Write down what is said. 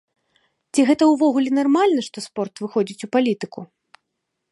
Ці гэта ўвогуле нармальна, што спорт выходзіць у палітыку?